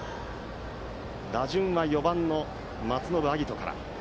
打順は４番の松延晶音から。